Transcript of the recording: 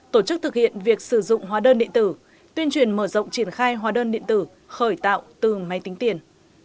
tổ chức thực hiện việc sử dụng hóa đơn điện tử tuyên truyền mở rộng triển khai hóa đơn điện tử khởi tạo từ máy tính tiền